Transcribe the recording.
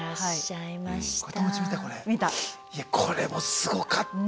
いやこれもすごかった。